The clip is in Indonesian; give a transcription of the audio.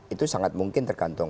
itu sangat mungkin tergantung